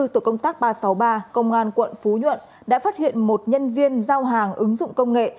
tổ công tác ba trăm sáu mươi ba công an quận phú nhuận đã phát hiện một nhân viên giao hàng ứng dụng công nghệ